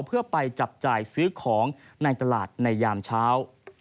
เพื่อไปจับจ่ายซื้อของในตลาดในยามเช้า